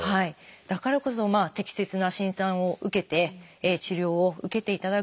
だからこそ適切な診断を受けて治療を受けていただく。